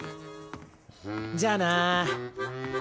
じゃあな。